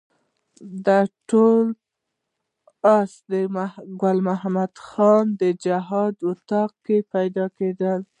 دا ټول د آس ګل محمد خان په جهادي اطاق کې پیدا کېدل.